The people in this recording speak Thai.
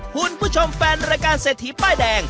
คุณผู้ชมแฟนรายการเศรษฐีป้ายแดง